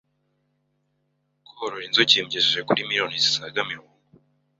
korora inzuki bimugejeje kuri miriyoni zisaga mirongo...